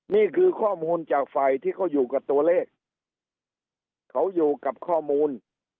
นี่คือข้อมูลจากฝ่ายที่เขาอยู่กับตัวเลขเขาอยู่กับข้อมูล